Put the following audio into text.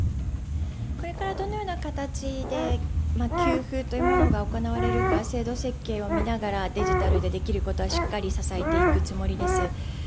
これからどのような形で給付が行われるか、制度設計を見ながらデジタルでできることはしっかり支えていくつもりです。